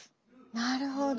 なるほど。